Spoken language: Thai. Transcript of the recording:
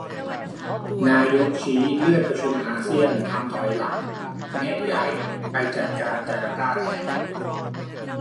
นายกสิงคโปร์ชี้เลื่อนประชุมอาเซียนทำถอยหลัง แนะย้ายไปจัดจาร์การ์ตาแทน